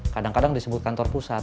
kadang kadang disebut kantor pusat